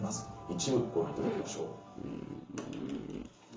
一部ご覧いただきましょう。